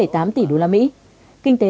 sáu tám tỷ đô la mỹ kinh tế